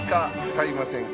買いませんか？